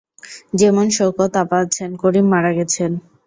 যেমন, শওকত আপা আছেন, করিম মারা গেছেন।